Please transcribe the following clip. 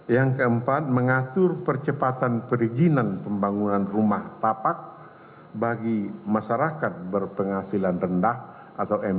yang keempat mengatur percepatan perizinan pembangunan rumah tapak bagi masyarakat berpenghasilan rendah